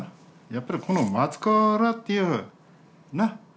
やっぱりこの松川浦っていうな？